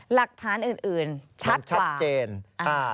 หลักฐานอื่นชัดกว่ามันชัดเจนอ่า